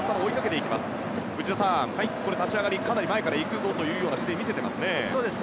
内田さん、立ち上がりかなり前から行くぞという姿勢を見せていますね。